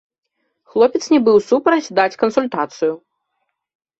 Хлопец не быў супраць даць кансультацыю.